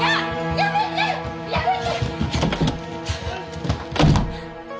やめてやめて！